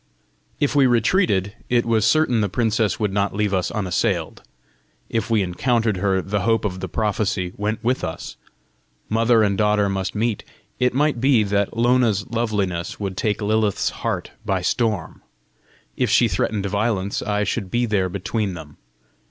If we retreated, it was certain the princess would not leave us unassailed! if we encountered her, the hope of the prophecy went with us! Mother and daughter must meet: it might be that Lona's loveliness would take Lilith's heart by storm! if she threatened violence, I should be there between them!